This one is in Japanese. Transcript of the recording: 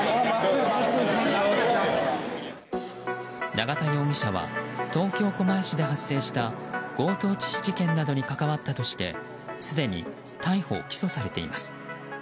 永田容疑者は東京・狛江市で発生した強盗致死事件などに関わったとしてすでに逮捕・起訴されています。